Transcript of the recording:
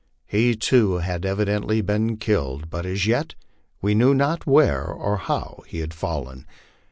He, too had evidently been killed, but as yet we knew not where or how he had fallen.